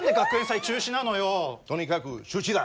とにかく中止だ！